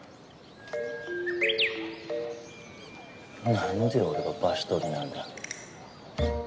なんで俺が場所取りなんだ。